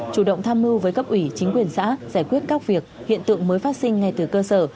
chủ động tham mưu với cấp ủy chính quyền xã giải quyết các việc hiện tượng mới phát sinh ngay từ cơ sở